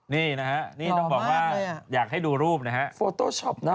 นี่นะครับต้องบอกว่าอยากให้ดูรูปฟโตชอปนะ